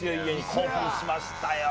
興奮しましたよ！